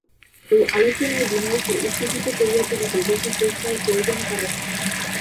এই আলোচনায় বিনয়কে উত্তেজিত করিয়া তুলিতে বেশি চেষ্টার প্রয়োজন করে না।